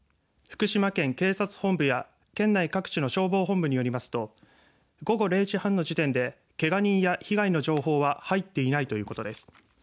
福島県警察本部や県内各地の消防本部によりますと午後０時半の時点でけが人や被害の情報は入っていないということです。